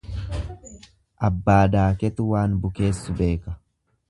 Abbaa daaketu waan bukeessu beeka.